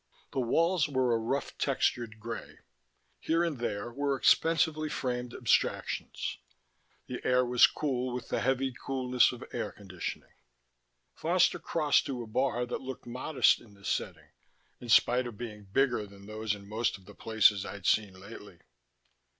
The walls were a rough textured grey; here and there were expensively framed abstractions. The air was cool with the heavy coolness of air conditioning. Foster crossed to a bar that looked modest in the setting, in spite of being bigger than those in most of the places I'd seen lately.